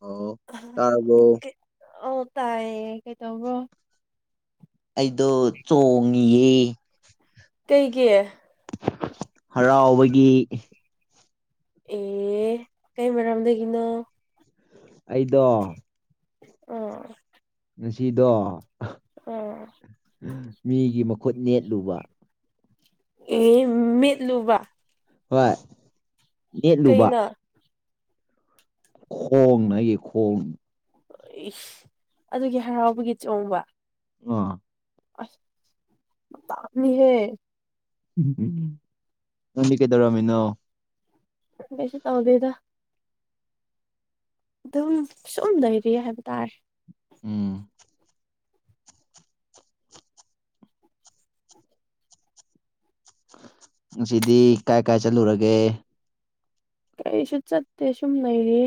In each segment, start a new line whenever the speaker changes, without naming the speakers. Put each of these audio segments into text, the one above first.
ꯑꯣ ꯇꯥꯔꯕꯣ
ꯑꯣ ꯇꯥꯏꯌꯦ ꯀꯩꯇꯧꯕ꯭ꯔꯣ
ꯑꯩꯗꯣ ꯆꯣꯡꯉꯤꯌꯦ
ꯀꯩꯒꯤ
ꯍꯔꯥꯎꯕꯒꯤ
ꯑꯦ ꯀꯩ ꯃꯔꯝꯗꯒꯤꯅꯣ
ꯑꯩꯗꯣ
ꯎꯝ
ꯉꯁꯤꯗꯣ
ꯑꯣ
ꯃꯤꯒꯤ ꯃꯈꯨꯠ ꯅꯦꯠꯂꯨꯕ
ꯏ ꯃꯤꯠꯂꯨꯕ
ꯍꯣꯏ ꯅꯦꯠꯂꯨꯕ
ꯀꯩꯅ
ꯈꯣꯡ ꯅꯩ ꯈꯣꯡ
ꯑꯗꯨꯒꯤ ꯍꯔꯥꯎꯕꯒꯤ ꯆꯣꯡꯕ
ꯑꯣ
ꯑꯁ ꯃꯇꯥꯞꯅꯤꯍꯦ
ꯎꯝ ꯎꯝ ꯅꯪꯗꯤ ꯀꯩꯗꯧꯔꯝꯃꯤꯅꯣ
ꯀꯩꯁꯨ ꯇꯧꯗꯦꯗ ꯑꯗꯨꯝ ꯁꯨꯨꯝ ꯂꯩꯔꯤ ꯍꯥꯏꯕ ꯇꯥꯔꯦ
ꯎꯝ ꯉꯁꯤꯗꯤ ꯀꯥꯏ ꯀꯥꯏ ꯆꯠꯂꯨꯔꯒꯦ
ꯀꯩꯁꯨ ꯆꯠꯇꯦ ꯁꯨꯝ ꯂꯩꯔꯤ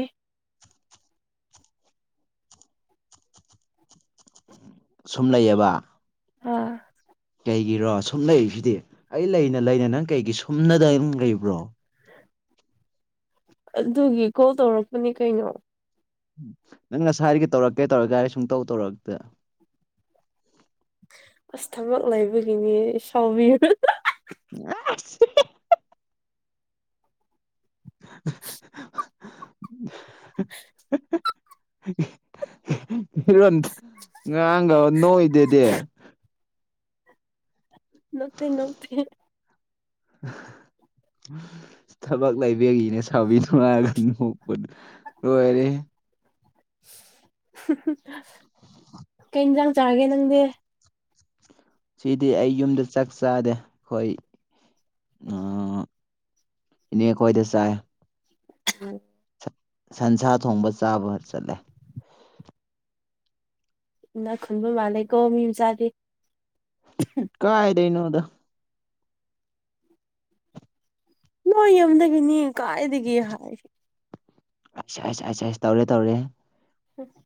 ꯁꯨꯝ ꯂꯩꯌꯦꯕ
ꯑꯥ
ꯀꯩꯒꯤꯔꯣ ꯁꯨꯝ ꯂꯩꯔꯤꯁꯤꯗꯤ ꯑꯩ ꯂꯩꯅ ꯂꯩꯅ ꯅꯪ ꯀꯩꯒꯤ ꯁꯨꯝꯅꯗ ꯂꯩꯕ꯭ꯔꯣ
ꯑꯗꯨꯒꯤ ꯀꯣꯜ ꯇꯧꯔꯛꯄꯅꯦ ꯀꯩꯅꯣ
ꯅꯪ ꯉꯁꯥꯏꯗꯒꯤ ꯇꯧꯔꯛꯀꯦ ꯇꯧꯔꯛꯀꯦ ꯍꯥꯏꯔ ꯁꯨꯡꯇꯧ ꯇꯧꯔꯛꯇꯦ
ꯑꯁ ꯊꯕꯛ ꯂꯩꯥꯏꯕꯒꯤꯅꯤ ꯁꯥꯎꯕꯤ [unintelligible]
[unintelligible] [unintelligible] ꯐꯤꯔꯣꯟ ꯉꯔꯥꯡꯒ ꯅꯣꯛꯏꯗꯨꯗꯤ
ꯅꯣꯛꯇꯩ ꯅꯣꯛꯇꯩ [unintelligible]
ꯊꯕꯛ ꯂꯩꯕꯒꯤꯅꯦ ꯁꯥꯎꯕꯤꯅꯨ ꯍꯥꯏꯔꯒ ꯅꯣꯛꯄꯗꯨ ꯂꯣꯏꯔꯦꯍꯦ
ꯀꯩ ꯏꯟꯖꯥꯡ ꯆꯥꯔꯒꯦ ꯅꯪꯗꯤ
ꯁꯤꯗꯤ ꯑꯩ ꯌꯨꯝꯗ ꯆꯥꯛ ꯆꯥꯗꯦ ꯈꯣꯏ ꯏꯅꯦ ꯈꯣꯏꯗ ꯆꯥꯏ
[inaudible]
ꯁꯟꯁꯥ ꯊꯣꯡꯕ ꯆꯥꯕ ꯆꯠꯂꯦ
ꯏꯅꯥ ꯈꯨꯟꯕ ꯃꯥꯜꯂꯦꯀꯣ ꯃꯤ ꯃꯆꯥꯗꯤ
ꯀꯥꯏꯗꯩ ꯅꯣꯗꯥ
ꯅꯣꯏ ꯌꯨꯝꯗꯒꯤꯅꯤ ꯀꯥꯏꯗꯒꯤ ꯍꯥꯏ
ꯑꯩꯁ ꯑꯩꯁ ꯑꯩꯁ ꯑꯩꯁ ꯇꯧꯔꯦ ꯇꯧꯔꯦ
[unintelligible]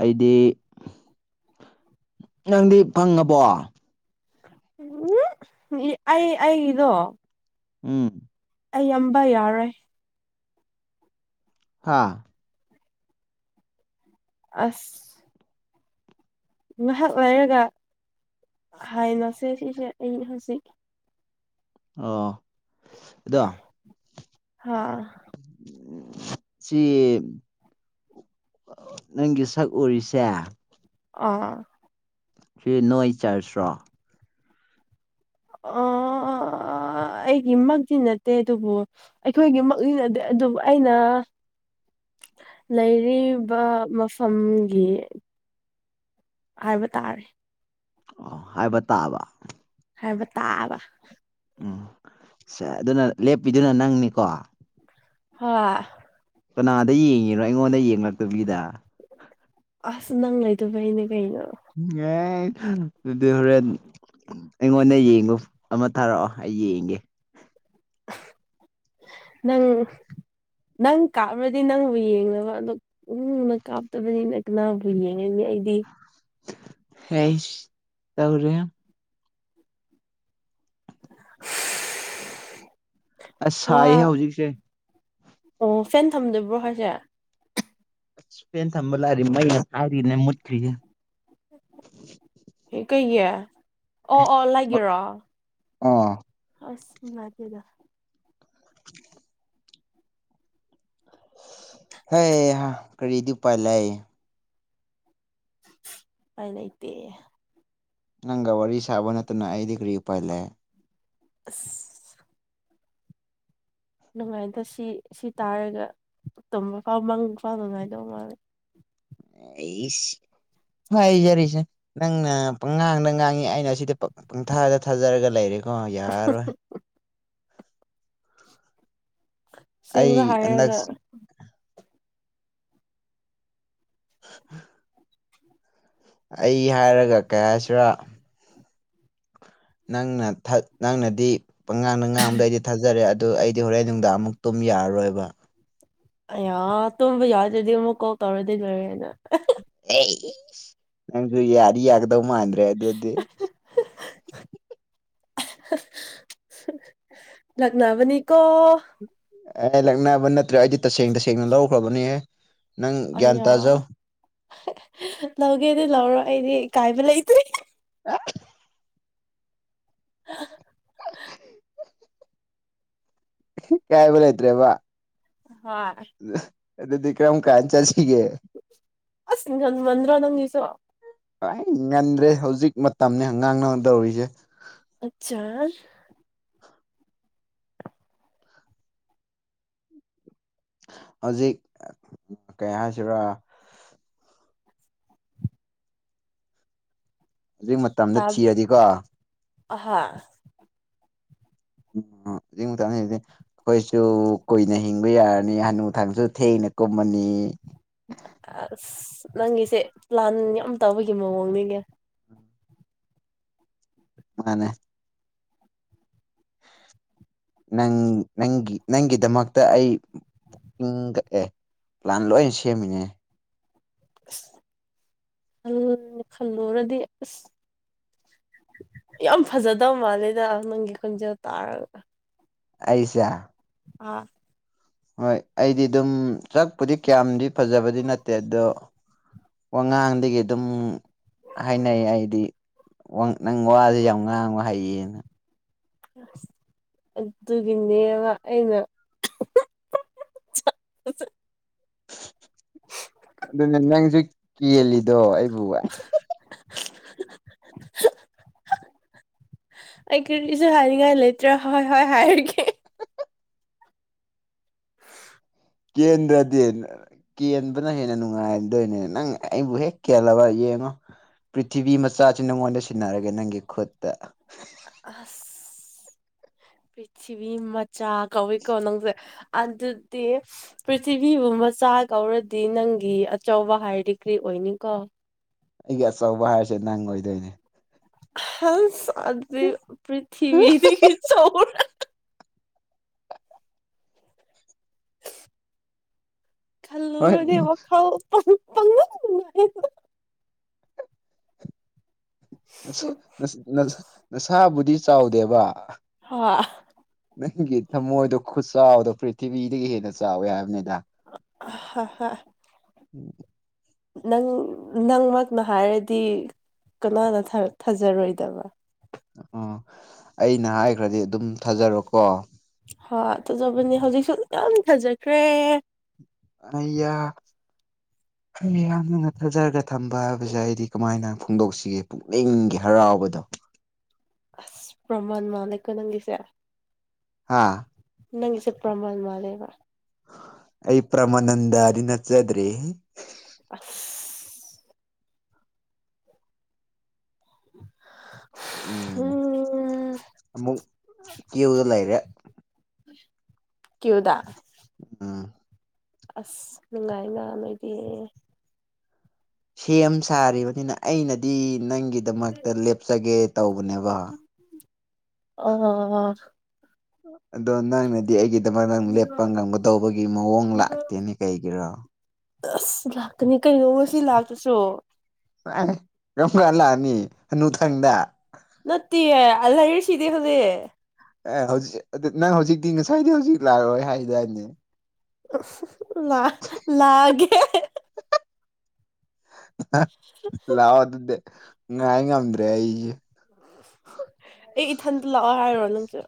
ꯑꯩꯗꯤ ꯅꯪꯗꯤ ꯐꯪꯉꯕꯣ
ꯎꯝ ꯑꯩ ꯑꯩꯒꯤꯗꯣ
ꯎꯝ
ꯑꯩ ꯌꯥꯝꯕ ꯌꯥꯔꯣꯏ
ꯍꯥꯥ
ꯑꯁ ꯉꯥꯏꯍꯥꯛ ꯂꯩꯔꯒ ꯍꯥꯏꯅꯁꯦ ꯁꯤꯁꯦ ꯑꯩ ꯍꯧꯖꯤꯛ
ꯑꯣ ꯑꯗꯣ
ꯍꯥ
ꯁꯤ ꯅꯪꯒꯤ ꯁꯛ ꯎꯔꯤꯁꯦ
ꯑꯥ
ꯁꯤ ꯅꯣꯏ ꯆꯔꯁꯔꯣ
ꯑꯥ ꯑꯥ ꯑꯩꯒꯤ ꯃꯛꯇꯤ ꯅꯠꯇꯦ ꯑꯗꯨꯕꯨ ꯑꯩꯈꯣꯏꯒꯤ ꯃꯛꯅꯤꯅꯗꯦ ꯑꯗꯨꯕꯨ ꯑꯩꯅ ꯂꯩꯔꯤꯕ ꯃꯐꯝꯒꯤ ꯍꯥꯏꯕ ꯇꯥꯔꯦ
ꯑꯣ ꯍꯥꯏꯕ ꯇꯥꯕ
ꯍꯥꯏꯕ ꯇꯥꯕ
ꯎꯝ ꯁꯦ ꯑꯗꯨꯅ ꯂꯦꯞꯄꯤꯗꯨꯅ ꯅꯪꯅꯤꯀꯣ
ꯍꯣꯏ
ꯀꯅꯥꯗ ꯌꯦꯡꯉꯤꯔꯣ ꯑꯩꯉꯣꯟꯗ ꯌꯦꯡꯂꯛꯇꯕꯤꯗ
ꯑꯁ ꯅꯪ ꯂꯩꯇꯕꯩꯅꯦ ꯀꯩꯅꯣ
ꯑꯦ ꯑꯗꯨꯗꯤ ꯍꯣꯔꯦ ꯑꯩꯉꯣꯟꯗ ꯌꯦꯡꯕ ꯑꯃ ꯊꯥꯔꯛꯑꯣ ꯑꯩ ꯌꯦꯡꯒꯦ
ꯅꯪ ꯅꯪ ꯀꯥꯞꯔꯗꯤ ꯅꯪꯕꯨ ꯌꯦꯡꯅꯕ ꯑꯗꯨ ꯅꯪꯅ ꯀꯥꯞꯇꯕꯅꯤꯅ ꯀꯅꯥꯕꯨ ꯌꯦꯡꯉꯤꯅꯦ ꯑꯩꯗꯤ
ꯍꯩꯁ ꯇꯧꯔꯦ ꯑꯁ ꯁꯥꯏꯌꯦ
ꯋꯥ
ꯍꯧꯖꯤꯛꯁꯦ
ꯑꯣ ꯐꯦꯟ ꯊꯝꯗꯕ꯭ꯔꯣ ꯍꯥꯏꯁꯦ
ꯐꯦꯟ ꯊꯝꯕꯂꯥꯔꯤ ꯃꯩ ꯉꯁꯥꯏꯗꯩꯅꯦ ꯃꯨꯠꯈ꯭ꯔꯤꯁꯦ
ꯀꯩꯒꯤ ꯑꯣ ꯑꯣ ꯂꯩꯒꯦꯔꯣ
ꯑꯣ
ꯑꯁ ꯏꯃꯥꯏ ꯄꯦꯝꯃꯥ
ꯍꯦꯍꯥ ꯀꯔꯤꯗꯤ ꯎꯄꯥꯏ ꯂꯩ
ꯎꯄꯥꯏ ꯂꯩꯇꯦ
ꯅꯪꯒ ꯋꯥꯔꯤ ꯁꯥꯕ ꯅꯠꯇꯅ ꯑꯩꯗꯤ ꯀꯔꯤ ꯎꯄꯜ ꯂꯩ
ꯑꯁ ꯅꯨꯡꯉꯥꯏꯕ ꯁꯤ ꯁꯤ ꯇꯥꯔꯒ ꯇꯨꯝꯕꯥꯎ ꯃꯪ ꯐꯥꯎ ꯅꯨꯡꯉꯥꯏꯗꯧ ꯃꯥꯜꯂꯦ
[inaudible] ꯅꯪꯅ ꯄꯪꯉꯥꯡꯗ ꯉꯥꯡꯉꯤ ꯑꯩꯅ ꯁꯤꯗ ꯄꯪꯊꯥꯗ ꯊꯥꯖꯔꯒ ꯂꯩꯔꯦꯀꯣ ꯌꯥꯔꯣꯏ ꯑꯩ
ꯑꯁꯦꯡꯕ
ꯑꯗꯛ
ꯍꯥꯏꯔꯒ
[inaudible] ꯑꯩ ꯍꯥꯏꯔꯒ ꯀꯌꯥ ꯍꯥꯏꯁꯤꯔ ꯅꯪꯅ ꯊꯛ ꯅꯪꯅꯗꯤ ꯄꯉꯥꯡꯅ ꯉꯥꯡꯕꯗ ꯑꯩꯗꯤ ꯊꯥꯖꯔꯦ ꯑꯗꯨ ꯑꯩꯗꯤ ꯍꯣꯔꯦꯟ ꯅꯨꯡꯗꯥꯡ ꯑꯃꯨꯛ ꯇꯨꯝ ꯌꯥꯔꯔꯣꯏꯕ
ꯑ ꯇꯨꯝꯕ ꯌꯥꯎꯗ꯭ꯔꯗꯤ ꯑꯃꯨꯛ ꯀꯥꯎꯜ ꯇꯧꯔꯗꯤ ꯂꯣꯏꯔꯦꯅ
ꯑꯦ ꯅꯪꯁꯨ ꯌꯥꯔꯤ ꯌꯥꯒꯗꯧ ꯃꯥꯟꯗ꯭ꯔꯦ ꯑꯗꯨꯗꯤ
[unintelligible] ꯂꯛꯅꯕꯅꯤꯀꫭ
ꯑꯦ ꯂꯛꯅꯕ ꯅꯠꯇ꯭ꯔꯦ ꯑꯩꯗꯤ ꯇꯁꯦꯡ ꯇꯁꯦꯡꯅ ꯂꯧꯈ꯭ꯔꯕꯅꯦꯍ
ꯑꯌꯥ ꯂꯧꯒꯦ ꯑꯗꯨ ꯂꯧꯔꯣ ꯑꯩꯗꯤ ꯏ ꯀꯥꯏꯕ ꯂꯩꯇ꯭ꯔꯦ
[unintelligible]
[unintelligible]
ꯀꯥꯏꯕ ꯂꯩꯇ꯭ꯔꯦꯕ
ꯍꫭꯏ
ꯑ ꯑꯗꯨꯗꯤ ꯀꯔꯝꯀꯥꯟ ꯆꯠꯁꯤꯒꯦ
ꯑꯁ ꯉꯟ ꯃꯟꯗ꯭ꯔꯣ ꯅꯪꯒꯤꯖꯣ
ꯑꯩ ꯉꯟꯗ꯭ꯔꯦ ꯍꯧꯖꯤꯛ ꯃꯇꯝꯅꯤꯅꯦ ꯉꯥꯡꯅꯗꯧꯔꯤꯁꯦ
ꯑꯆꯔ
ꯍꯧꯖꯤꯛ ꯀꯩ ꯍꯥꯏꯁꯤꯔꯥ ꯍꯧꯖꯤꯛ ꯃꯇꯝꯗ
ꯇꯥꯕ꯭ꯔꯣ
ꯊꯤꯔꯗꯤꯀꯣ
ꯑꯍꯥ
[unintelligible] ꯑꯩꯈꯣꯏꯁꯨ ꯀꯨꯏꯅ ꯍꯤꯡꯕ ꯌꯥꯔꯅꯤ ꯍꯥꯅꯨ ꯊꯥꯡꯁꯨ ꯊꯦꯡꯅ ꯀꯨꯝꯃꯅꯤ
ꯑꯁ ꯅꯪꯒꯤꯁꯦ ꯄ꯭ꯂꯥꯟ ꯌꯥꯝ ꯇꯧꯕꯒꯤ ꯃꯑꯣꯡꯅꯤꯅꯦ
ꯃꯥꯅꯦ ꯅꯪ ꯅꯪꯒꯤ ꯅꯪꯒꯤꯗꯃꯛꯇ ꯑꯩ ꯍꯤꯡꯗ ꯑꯦ ꯄ꯭ꯂꯥꯟ ꯂꯣꯏ ꯁꯦꯝꯃꯤꯅꯦ
ꯑ ꯑ ꯈꯜꯂꯨꯔꯗꯤ ꯑꯁ ꯌꯥꯝ ꯐꯖꯗꯕ ꯃꯥꯂꯦꯗ ꯅꯪꯒꯤ ꯈꯣꯟꯖꯦꯜ ꯇꯥꯔꯒ
ꯑꯩꯁꯦ
ꯑꯥ
ꯍꯣꯏ ꯑꯩꯗꯤ ꯑꯗꯨꯝ ꯁꯥꯛꯄꯨꯗꯤ ꯀꯌꯥꯝꯗꯤ ꯐꯖꯕꯗꯤ ꯅꯠꯇꯦ ꯑꯗꯣ ꯋꯥꯉꯥꯡꯗꯒꯤ ꯑꯗꯨꯝ ꯍꯥꯏꯅꯩ ꯑꯩꯗꯤ ꯅꯪ ꯋꯥꯁꯦ ꯌꯥꯝ ꯉꯥꯡꯕ ꯍꯩꯌꯦꯅ
ꯑꯁ ꯑꯗꯨꯒꯤꯅꯦꯕ ꯑꯩꯅ
ꯑꯗꯨꯅꯦ ꯅꯪꯁꯨ ꯀꯦꯜꯂꯤꯗꯣ ꯑꯩꯕꯨ
[inaudible] ꯑꯩ ꯀꯔꯤꯁꯨ ꯍꯥꯏꯅꯤꯡꯉꯥꯏ ꯂꯩꯇ꯭ꯔꯦ ꯍꯣꯏ ꯍꯣꯏ ꯍꯥꯏꯔꯒꯦ
ꯀꯦꯟꯗ꯭ꯔꯗ ꯀꯦꯟꯕꯅ ꯍꯦꯟꯅ ꯅꯨꯡꯉꯥꯏꯔꯗꯣꯏꯅꯦ ꯅꯪ ꯑꯩꯕꯨ ꯍꯦꯛ ꯀꯦꯜꯂꯕ ꯌꯦꯡꯉꯣ ꯄ꯭ꯔꯤꯊꯤꯕꯤ ꯃꯆꯥꯁꯦ ꯅꯪꯉꯣꯟꯗ ꯁꯤꯟꯅꯔꯒꯦ ꯅꯪꯒꯤ ꯈꯨꯠꯇ
ꯑꯥꯁ ꯄꯔ꯭ꯊꯤꯕꯤ ꯃꯆꯥ ꯀꯧꯋꯤꯀꯣ ꯅꯪꯁꯦ ꯑꯗꯨꯗꯤ ꯄ꯭ꯔꯤꯊꯤꯕꯤꯕꯨ ꯃꯆꯥ ꯀꯧꯔꯗꯤ ꯅꯪꯒꯤ ꯑꯆꯧꯕ ꯍꯥꯏꯔꯗꯤ ꯀꯔꯤ ꯑꯣꯏꯅꯤ ꯀꫭ
ꯑꯩꯒꯤ ꯑꯆꯧꯕ ꯍꯥꯏꯔꯁꯦ ꯅꯪ ꯑꯣꯏꯗꯣꯏꯅꯦ
ꯍꯥꯏ ꯑꯗꯨꯗꯤ ꯄ꯭ꯔꯤꯊꯤꯕꯤꯗꯒꯤ ꯆꯥꯎꯋꯦ
ꯍꯣꯏ
[inaudible]
ꯅ ꯅꯁꯥꯕꯨꯗꯤ ꯆꯥꯎꯗꯦꯕ
ꯍꯣꯏ
ꯅꯪꯒꯤ ꯊꯃꯣꯏꯗꯣ ꯈꯨꯆꯥꯎꯗꯣ ꯄ꯭ꯔꯤꯊꯤꯕꯤꯗꯒꯤ ꯍꯦꯟꯅ ꯆꯥꯎꯋꯦ ꯍꯥꯏꯕꯅꯤꯗ
ꯍ ꯍ
[inaudible]
ꯅꯪ ꯅꯪꯃꯛꯅ ꯍꯥꯏꯔꯗꯤ ꯀꯅꯥꯅ ꯊꯥꯖꯔꯣꯏꯗꯕ
ꯑꯣ ꯑꯩꯅ ꯍꯥꯏꯈ꯭ꯔꯗꯤ ꯑꯗꯨꯝ ꯊꯥꯖꯔꯣꯀꯣ
ꯍ ꯇꯖꯕꯅꯦ ꯍꯧꯖꯤꯛꯁꯨ ꯌꯥꯝ ꯐꯖꯈ꯭ꯔꯦ
ꯑꯌꯥ
[inaudible]
ꯍ ꯌꯥꯝꯅ ꯅꯠꯊꯖꯔꯒ ꯊꯝꯕ ꯍꯥꯏꯕꯁꯦ ꯑꯩꯗꯤ ꯀꯃꯥꯏꯅ ꯐꯣꯡꯗꯣꯛꯁꯤꯒꯦ ꯄꯨꯛꯅꯤꯡꯒꯤ ꯍꯔꯥꯎꯕꯗꯣ
ꯑꯁ ꯄ꯭ꯔꯃꯥꯟ ꯃꯥꯟꯂꯦꯀꯣ ꯅꯪꯒꯤꯁꯦ
ꯍꯥꯥ
ꯅꯪꯁꯦ ꯄ꯭ꯔꯃꯥꯟ ꯃꯥꯟꯂꯦꯕ
ꯑꯩ ꯄ꯭ꯔꯃꯥꯅꯟꯗꯗꯤ ꯅꯠꯆꯗ꯭ꯔꯦ
ꯑꯁ ꯎꯝ
ꯎꯝ ꯑꯃꯨꯛ ꯀꯨꯌꯗ ꯂꯩꯔꯦ
ꯀꯌꯨꯗ
ꯑꯝ
ꯑꯁ ꯅꯨꯡꯉꯥꯏꯅ ꯅꯣꯏꯗꯤ
ꯁꯦꯝ ꯁꯥꯔꯤꯕꯅꯤꯅ ꯑꯩꯅꯗꯤ ꯅꯪꯒꯤ ꯗꯃꯛꯇ ꯂꯦꯞꯆꯒꯦ ꯇꯧꯕꯅꯦꯕ ꯑꯗꯣ ꯅꯪꯅꯗꯤ ꯑꯩꯒꯤꯗꯃꯛ ꯅꯪ ꯂꯦꯞꯄ ꯉꯝꯒꯗꯧꯕꯒꯤ ꯃꯑꯣꯡ
ꯑ
ꯂꯥꯛꯇꯦꯅꯦ ꯀꯩꯒꯤꯔꯣ
ꯑꯁ ꯂꯥꯛꯀꯅꯤ ꯀꯩꯅꯣ ꯉꯁꯤ ꯂꯥꯛꯇ꯭ꯔꯁꯨ
ꯌꯥꯝ ꯂꯥꯛꯑꯅꯤ ꯍꯥꯅꯨꯡ ꯊꯪꯗ
ꯅꯠꯇꯤ ꯑꯜ ꯁꯤꯗꯦ ꯍꯧꯖꯤꯛ
ꯑꯦ ꯍꯧꯖꯤꯛ ꯅꯪ ꯍꯧꯖꯤꯛꯇꯤ ꯉꯁꯥꯏꯗꯤ ꯍꯧꯖꯤꯛ ꯂꯥꯛꯑꯣꯏ ꯍꯥꯏꯗꯥꯏꯅꯦ
ꯂ ꯂꯛ ꯑꯥꯒꯦ
ꯂꯥꯛꯑꯣ ꯑꯗꯨꯗꯤ ꯉꯥꯏ ꯉꯝꯗ꯭ꯔꯦ ꯑꯩꯁꯦ
ꯑꯩ ꯏꯊꯟꯇ ꯂꯥꯛꯑꯣ ꯍꯥꯏꯔꯣ ꯅꯪꯁ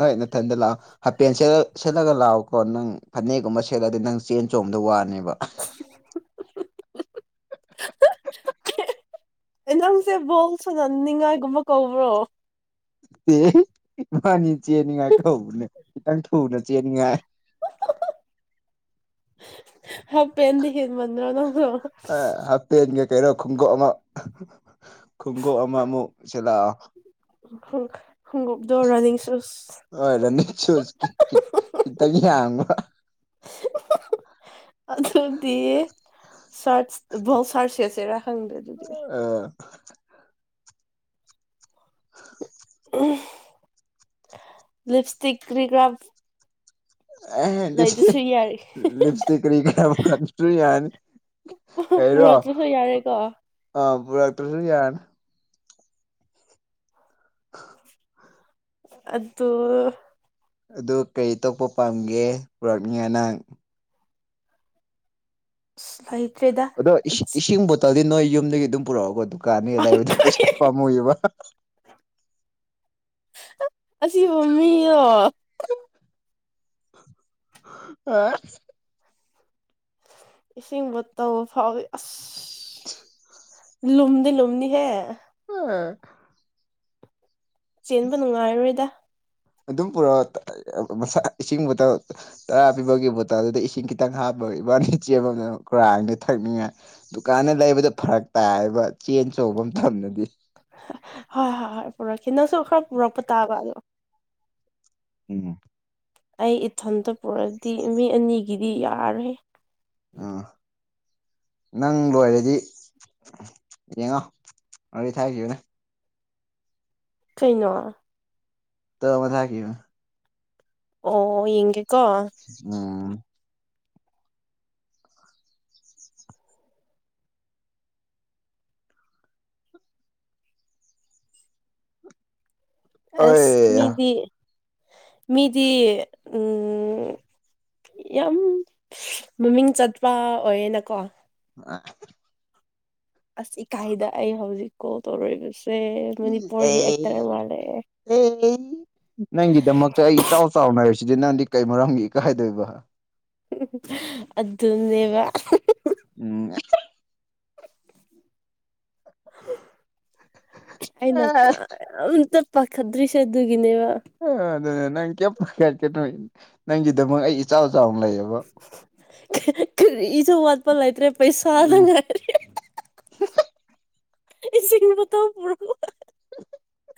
ꯍꯣꯏ ꯅꯊꯟꯗ ꯂꯛꯑꯣ ꯍꯥꯄꯦꯟ ꯁꯦꯠ ꯁꯦꯠꯂꯒ ꯂꯥꯛꯑꯣꯀꯣ ꯅꯪ ꯐꯅꯦꯛꯒꯨꯝꯕ ꯁꯦꯠꯂꯗꯤ ꯅꯪ ꯆꯦꯟ ꯆꯣꯡꯕꯗ ꯋꯥꯅꯦꯕ
[unintelligible] ꯅꯪꯁꯦ ꯕꯣꯜ ꯁꯅꯅꯤꯡꯉꯥꯏꯒꯨꯝꯕ ꯀꯧꯕ꯭ꯔꯣ
ꯏ ꯃꯥꯅꯤ ꯆꯦꯟꯅꯤꯡꯉꯥꯏ ꯊꯧꯅꯦ ꯈꯤꯇꯪ ꯊꯧꯅ ꯆꯦꯟꯅꯤꯡꯉꯥꯏ
ꯍꯞ ꯄꯦꯟꯗꯤ ꯍꯦꯟꯃꯟꯗ꯭ꯔꯣ ꯅꯪꯁꯨ
ꯍꯞꯇꯦꯟꯒꯤ ꯀꯩꯅꯣ ꯈꯣꯡꯎꯞ ꯑꯃ ꯈꯣꯡꯎꯞ ꯑꯃ ꯑꯃꯨꯛ ꯁꯤꯜꯂꯛꯑꯣ
ꯍꯝ ꯈꯨꯡꯎꯞꯗꯣ
ꯍꯣꯏ ꯔꯅꯤꯡ ꯁꯨꯁꯀꯤ ꯈꯤꯇꯪ ꯌꯥꯡꯕ
ꯑꯗꯨꯗꯤ ꯁꯔ ꯕꯣ ꯁꯔꯁꯦꯁ ꯆꯦꯔꯥ ꯈꯪꯗꯦ ꯑꯗꯨꯗꯤ
ꯑ ꯍꯥ
ꯂꯤꯞ ꯏꯁꯇꯤꯛ ꯀ꯭ꯔꯤꯒ꯭ꯔꯥꯐ
ꯑꯦ ꯂꯤꯞꯇꯤ
ꯌꯥꯔꯦ
ꯂꯤꯞꯁꯇꯤꯛ ꯀꯔꯤ ꯀꯔꯥ ꯄꯨꯔꯥꯛ ꯇꯔ꯭ꯁꯨ ꯌꯥꯅꯤ
ꯄꯨꯔꯛꯇ꯭ꯔꯁꯨ ꯌꯥꯔꯦꯀꯣ
ꯑ ꯄꯨꯔꯛꯇ꯭ꯔꯁꯨ ꯌꯥꯅꯤ
ꯑꯗꯨ
ꯑꯗꯨ ꯀꯔꯤ ꯇꯄ ꯄꯥꯝꯒꯦ ꯄꯨꯔꯛꯅꯤ ꯉꯅꯥꯡ
ꯂꯥꯏꯠ
ꯑꯗꯣ ꯏꯁꯤ ꯏꯁꯤꯡ ꯕꯣꯇꯜꯗꯤ ꯅꯣꯏ ꯌꯨꯝꯗꯒꯤ ꯑꯗꯨꯝ ꯄꯨꯔꯛꯑꯣꯀꯣ ꯗꯨꯀꯥꯟꯒꯤ ꯂꯩꯕꯗꯨꯣ ꯄꯩꯁꯥ ꯄꯥꯝꯃꯨꯏꯕ
ꯑꯁꯤꯕ ꯃꯤꯗꯣ
ꯑ
ꯏꯁꯤꯡ ꯕꯣꯇꯜ ꯐꯥꯎꯋꯤ ꯑꯁ ꯂꯨꯝꯗꯤ ꯂꯨꯝꯅꯤꯍꯦ
ꯑꯣ
ꯆꯦꯟꯕ ꯅꯨꯡꯉꯥꯏꯔꯣꯏꯗ
ꯑꯗꯨꯝ ꯄꯨꯔꯛꯒ ꯃꯁ ꯏꯁꯤꯡꯕꯨꯇꯜ ꯇꯔꯥ ꯄꯤꯕꯒꯤ ꯕꯣꯇꯜꯗꯨꯗ ꯏꯁꯤꯡ ꯈꯤꯇꯪ ꯍꯥꯞꯄ ꯏꯕꯥꯅꯤ ꯆꯦꯕꯃꯇꯝꯗ ꯀꯨꯔꯥꯡꯗꯤ ꯊꯛꯅꯤꯡꯉꯥꯏ ꯗꯨꯀꯥꯟꯗ ꯂꯩꯕꯗꯣ ꯐꯔꯛ ꯇꯥꯏꯕ ꯆꯦꯟ ꯆꯧꯕ ꯃꯇꯝꯗꯗꯤ
ꯍꯣꯏ ꯍꯣꯏ ꯍꯣꯏ ꯄꯨꯔꯛꯈꯤ ꯅꯪꯁꯨ ꯈꯔ ꯄꯨꯔꯛꯄ ꯇꯥꯕ ꯑꯗꯣ
ꯎꯝ
ꯑꯩ ꯏꯊꯟꯇ ꯄꯨꯔꯛꯗꯤ ꯃꯤ ꯑꯅꯤꯒꯤꯗꯤ ꯌꯥꯔꯦ
ꯎꯥ ꯅꯪ ꯂꯣꯏꯔꯗꯤ ꯌꯦꯡꯉꯣ ꯋꯥꯔꯤ ꯊꯥꯏꯈꯤꯕꯅꯦ
ꯀꯩꯅꯣ
ꯐꫭꯇꫭ ꯑꯃ ꯊꯈꯤꯕ
ꯑꯣ ꯌꯦꯉꯦꯀꯣ
ꯎꯝ ꯑꯣꯏ
ꯑꯁ ꯃꯤꯗꯤ ꯃꯤꯗꯤ ꯎꯝ ꯌꯥꯝ ꯃꯃꯤꯡ ꯆꯠꯄ ꯑꯣꯏꯌꯦꯅꯀꯣ
ꯑ
ꯑꯁ ꯏꯀꯥꯏꯗ ꯑꯩ ꯍꯧꯖꯤꯛ ꯀꯣꯜ ꯇꯧꯔꯛꯔꯤꯕꯁꯦ ꯃꯅꯤꯄꯨꯔꯒꯤ ꯑꯦꯛꯇꯔ ꯃꯥꯜꯂꯑꯦ
ꯑꯦ ꯅꯪꯒꯤꯗꯃꯛꯇ ꯑꯩ ꯏꯆꯥꯎ ꯆꯥꯎꯅ ꯂꯩꯔꯤꯁꯤꯗꯤ ꯅꯪꯗꯤ ꯀꯩ ꯃꯔꯝꯒꯤ ꯏꯀꯥꯏꯗꯣꯏꯕ
ꯑꯗꯨꯅꯦꯕ
ꯎꯝ
ꯑꯩꯅꯀ ꯑꯝꯇ ꯄꯥꯈꯗ꯭ꯔꯤꯁꯦ ꯑꯗꯨꯒꯤꯅꯦꯕ
ꯑ ꯑꯗꯨꯅ ꯅꯪ ꯀꯩ ꯄꯈꯠꯀꯅꯣ ꯅꯪꯒꯤꯗꯃꯛ ꯑꯩ ꯏꯆꯥꯎ ꯆꯥꯎꯅ ꯂꯩꯌꯦꯕ
ꯀꯔꯤꯁꯨ ꯋꯥꯠꯄ ꯂꯩꯇ꯭ꯔꯦ ꯄꯩꯁꯥ
ꯎꯝ
ꯗꯪ ꯉꯥꯏꯔꯦ ꯏꯁ ꯆ ꯄꯨꯔ [unintelligible]
[inaudible]